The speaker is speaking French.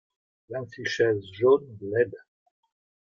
Vingt-six chaises jaunes laides.